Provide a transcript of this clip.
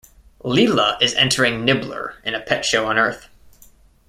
Leela is entering Nibbler in a pet show on Earth.